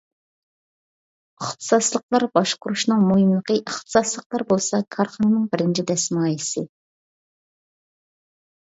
ئىختىساسلىقلار باشقۇرۇشنىڭ مۇھىملىقى ئىختىساسلىقلار بولسا كارخانىنىڭ بىرىنچى دەسمايىسى.